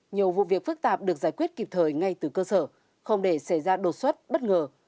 nhiều vụ việc phức tạp được giải quyết kịp thời ngay từ cơ sở không để xảy ra đột xuất bất ngờ